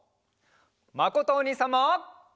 まことおにいさんも！